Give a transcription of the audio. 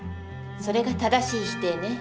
それが正しい否定ね。